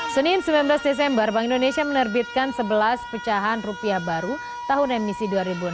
senin sembilan belas desember bank indonesia menerbitkan sebelas pecahan rupiah baru tahun emisi dua ribu enam belas